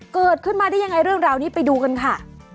เกิดขึ้นมาได้ยังไงเรื่องราวนี้ไปดูกันค่ะ